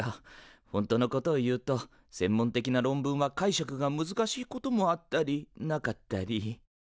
本当のことを言うと専門的な論文は解釈が難しいこともあったりなかったり。